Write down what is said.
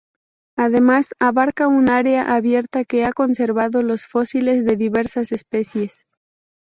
Además, abarca un área abierta que ha conservado los fósiles de diversas especies.